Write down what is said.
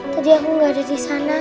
tadi aku gak ada di sana